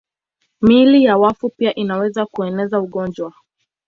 Miili ya wafu pia inaweza kueneza ugonjwa.